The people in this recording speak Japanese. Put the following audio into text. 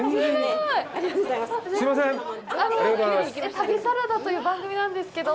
旅サラダという番組なんですけど。